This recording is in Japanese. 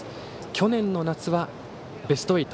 去年の夏はベスト８。